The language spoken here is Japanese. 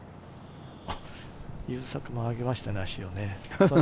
優作も上げましたね、足を。